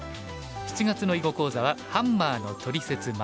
７月の囲碁講座は「ハンマーのトリセツ④」。